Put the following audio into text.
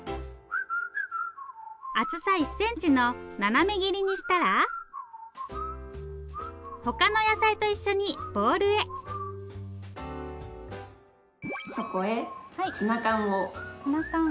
厚さ１センチの斜め切りにしたら他の野菜と一緒にボウルへそこへツナ缶を。